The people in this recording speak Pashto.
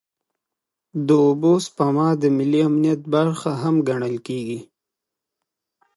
د اوبو سپما د ملي امنیت برخه هم ګڼل کېږي.